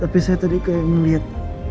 tapi saya tadi kayak ngeliat